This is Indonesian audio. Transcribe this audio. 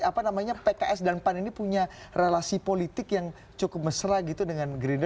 apa namanya pks dan pan ini punya relasi politik yang cukup mesra gitu dengan gerindra